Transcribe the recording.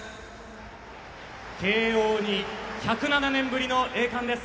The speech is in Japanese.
慶応に１０７年ぶりの栄冠です。